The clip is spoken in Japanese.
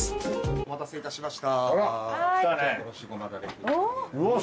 お待たせしました。